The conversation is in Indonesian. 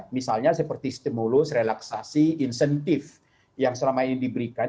misalnya seperti stimulus relaksasi insentif yang selama ini diberikan